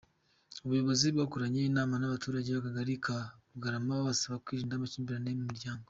Ubuyobozi bwakoranye inama n’abaturage b’Akagari ka Rugarama bubasaba kwirinda amakimbirane mu miryango.